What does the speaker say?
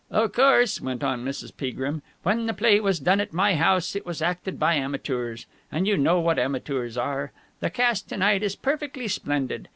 "Of course," went on Mrs. Peagrim, "when the play was done at my house, it was acted by amateurs. And you know what amateurs are! The cast to night is perfectly splendid.